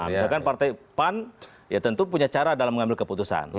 misalkan partai pan ya tentu punya cara dalam mengambil keputusan